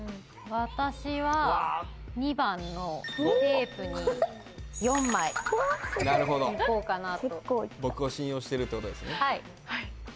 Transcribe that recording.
私は２番のテープに４枚なるほど僕を信用してるってことですね